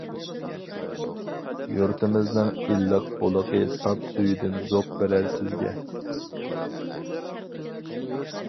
يۇرتىمىزنىڭ ئىللىق بۇلىقى ساپ سۈيىدىن زوق بېرەر سىزگە.